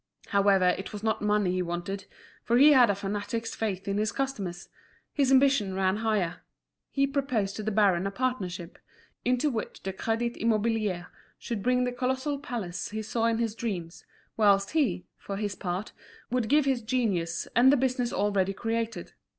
However, it was not money he wanted, for he had a fanatic's faith in his customers: his ambition ran higher: he proposed to the baron a partnership, into which the Crédit Immobilier should bring the colossal palace he saw in his dreams, whilst he, for his part, would give his genius and the business already created.